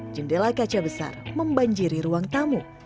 jendela kaca besar membanjiri ruang tamu